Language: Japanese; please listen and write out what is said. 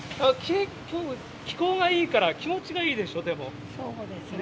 結構、気候がいいから、気持ちがいいでしょ、そうですね。